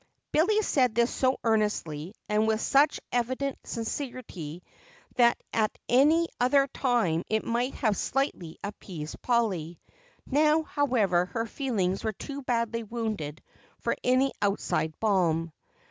Billy said this so earnestly and with such evident sincerity that at any other time it might have slightly appeased Polly. Now, however, her feelings were too badly wounded for any outside balm.